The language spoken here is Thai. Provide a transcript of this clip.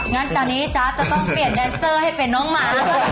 จะต้องเข้าเปรียบแตนน้องหมา